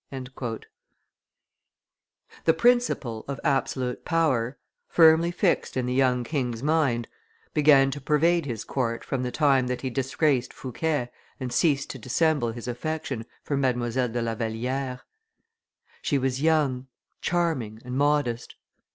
[Illustration: THE GRAND MONARCH IN HIS STATE ROBES 9] The principle of absolute power, firmly fixed in the young king's mind, began to pervade his court from the time that he disgraced Fouquet and ceased to dissemble his affection for Mdlle. de La Valliere. She was young, charming, and modest.